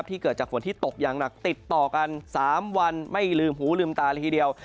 เกิดจากฝนที่ตกอย่างหนักติดต่อกัน๓วันไม่ลืมหูลืมตาเลยทีเดียว